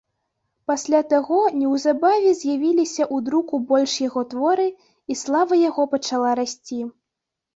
Пасля таго неўзабаве з'явіліся ў друку больш яго творы, і слава яго пачала расці.